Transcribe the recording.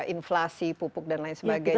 inflasi pupuk dan lain sebagainya